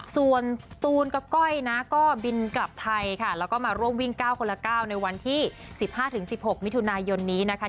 ส่วนตูนกับก้อยนะก็บินกลับไทยค่ะแล้วก็มาร่วมวิ่ง๙คนละ๙ในวันที่๑๕๑๖มิถุนายนนี้นะคะ